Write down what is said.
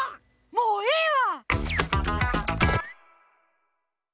もうええわ！